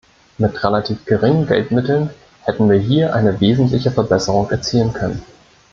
Mit relativ geringen Geldmitteln hätten wir hier eine wesentliche Verbesserung erzielen können.